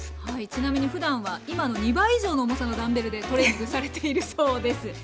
はいちなみにふだんは今の２倍以上の重さのダンベルでトレーニングされているそうです。